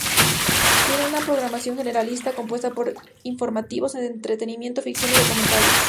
Tiene una programación generalista compuesta por informativos, entretenimiento, ficción y documentales.